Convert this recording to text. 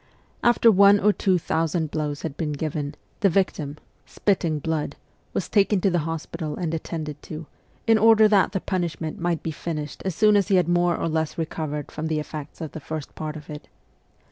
After one or two thousand blows had been given, the victim, spitting 64 MEMOIRS OF A REVOLUTIONIST blood, was taken to the hospital and attended to, in order that the punishment might be finished as soon as he had more or less recovered from the effects of the first part of it.